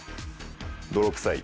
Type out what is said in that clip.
泥臭い。